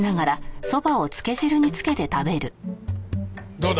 どうだ？